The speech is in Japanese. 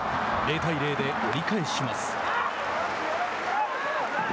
０対０で折り返します。